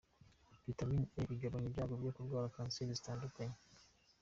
Vitamine E igabanya ibyago byo kurwara kanseri zitandukanye.